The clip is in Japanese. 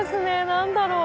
何だろう？